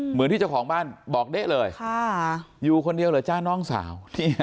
เหมือนที่เจ้าของบ้านบอกเด๊ะเลยอยู่คนเดียวเหรอจ้าน้องสาว